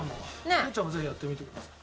哲ちゃんもぜひやってみてください。